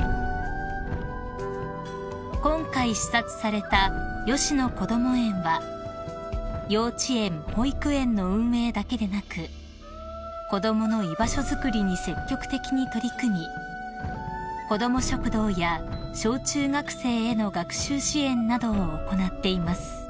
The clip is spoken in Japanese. ［今回視察されたよしのこども園は幼稚園・保育園の運営だけでなく子供の居場所づくりに積極的に取り組み子ども食堂や小中学生への学習支援などを行っています］